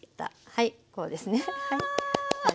はいこうですね。わ！